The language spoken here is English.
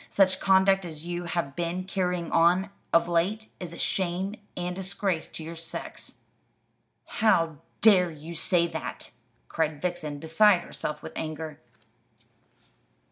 Such conduct as you have been carrying on of late is a shame and disgrace to your sex." "How dare you say that?" cried Vixen, beside herself with anger.